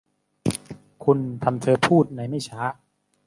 คุณทำเธอพูดในไม่ช้า